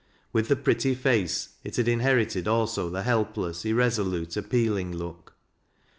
With the pretty face, it had inherited also the help less, irresolute, appealing look.